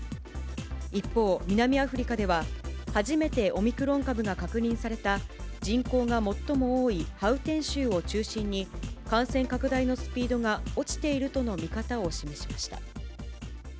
一方、南アフリカでは、初めてオミクロン株が確認された、人口が最も多いハウテン州を中心に、感染拡大のスピードが落ちているとの見方を示しました。